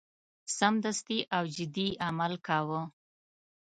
سمدستي او جدي عمل کاوه.